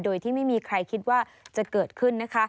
โดยที่ไม่มีใครคิดว่าจะเกิดขึ้นนะคะ